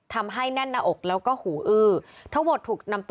ทำให้แน่นแล้วก็หูถูก